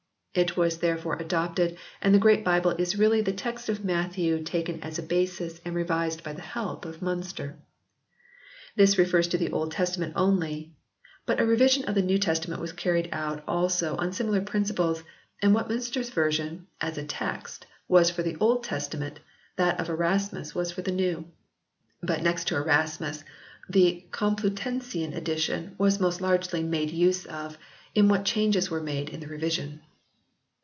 It was therefore adopted and the Great Bible is really the text of Matthew taken as a basis and revised by the help of Mlinster. This refers to the Old Testa ment only, but a revision of the New Testament 64 HISTORY OF THE ENGLISH BIBLE [OH. was carried out also on similar principles and what Minister s version, as a text, was for the Old Testa ment that of Erasmus was for the New. But next to Erasmus the Complutensian edition was most largely made use of in what changes were made in the revision.